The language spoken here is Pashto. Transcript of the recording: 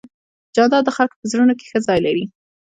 جانداد د خلکو په زړونو کې ښه ځای لري.